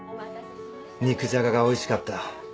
肉じゃががおいしかった。